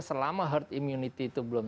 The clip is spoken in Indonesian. selama herd immunity itu belum